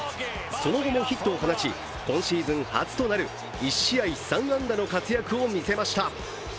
その後もヒットを放ち今シーズン初となる１試合３安打の活躍を見せました。